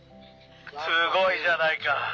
「すごいじゃないか！」。